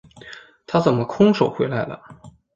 他怎么空手回来了？